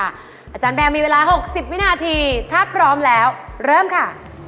อาจารย์แรมมีเวลา๖๐วินาทีถ้าพร้อมแล้วเริ่มค่ะ